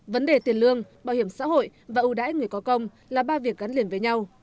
vấn đề tiền lương bảo hiểm xã hội và ưu đãi người có công là ba việc gắn liền với nhau